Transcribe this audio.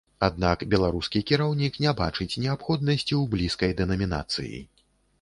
Аднак беларускі кіраўнік не бачыць неабходнасці ў блізкай дэнамінацыі.